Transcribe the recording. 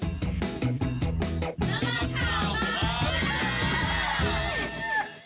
นักหลักข่าวบางวีดีโอ